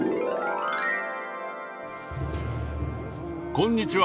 こんにちは。